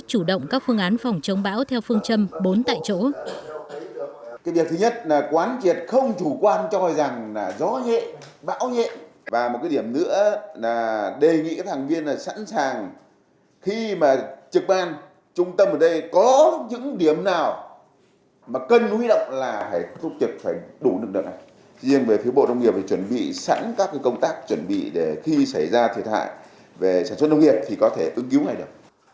chủ động các phương án phòng chống bão theo phương châm bốn tại chỗ